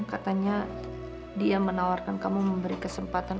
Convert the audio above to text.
katanya dia menawarkan kamu memberi kesempatan